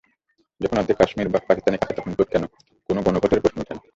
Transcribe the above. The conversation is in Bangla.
যখন অর্ধেক কাশ্মীর পাকিস্তানের কাছে, তখন ভোট কেন কোন গণভোটের প্রশ্নই উঠে না?